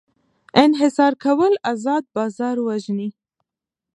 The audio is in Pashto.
انحصار کول ازاد بازار وژني.